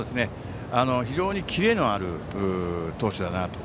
非常にキレのある投手だなと。